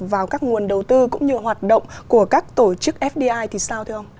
vào các nguồn đầu tư cũng như hoạt động của các tổ chức fdi thì sao thưa ông